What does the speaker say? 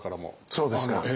そうですね。